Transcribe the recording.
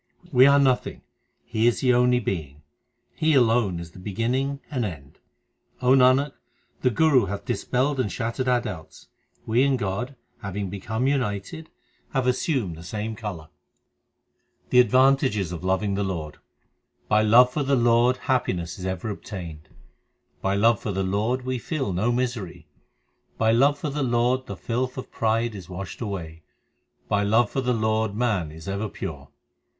We are nothing, He is the only Being : He alone is the beginning and end. O Nanak, the Guru hath dispelled and shattered our doubts. We and God, having become united, have assumed the same colour. The advantages of loving the Lord : By love for the Lord happiness is ever obtained, By love for the Lord we feel no misery, 298 THE SIKH RELIGION By love for the Lord the filth of pride is washed away, By love for the Lord man is ever pure.